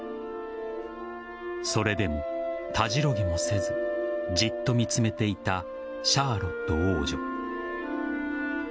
それでも、たじろぎもせずじっと見つめていたシャーロット王女。